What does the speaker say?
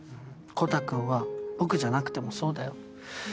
コタくんは僕じゃなくてもそうだよ。